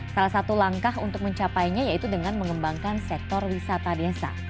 salah satu langkah untuk mencapainya yaitu dengan mengembangkan sektor wisata desa